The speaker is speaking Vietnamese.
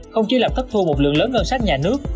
không chỉ làm thất thu một lượng lớn ngân sách nhà nước